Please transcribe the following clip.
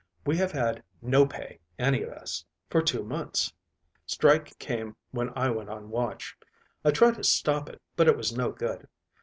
We have had no pay, any of us, for two months. Strike came when I went on watch. I tried to stop it, but it was no good.